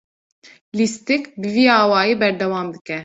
Lîstik bi vî awayî berdewam dike.